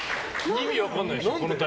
意味分かんないでしょ